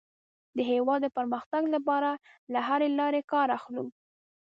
د هېواد د پرمختګ لپاره له هرې لارې کار اخلو.